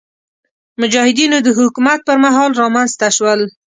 مجاهدینو د حکومت پر مهال رامنځته شول.